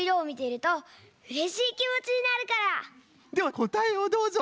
こたえをどうぞ。